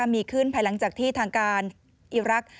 มีขึ้นภายหลังจากที่ทางการอีรักษ์